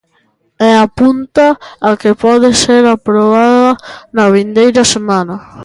E apunta a que pode ser aprobada na vindeira semana.